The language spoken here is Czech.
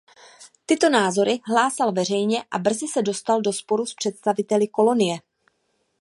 Tyto názory hlásal veřejně a brzy se dostal do sporu s představiteli kolonie.